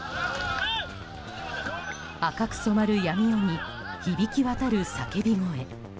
赤く染まる闇夜に響き渡る叫び声。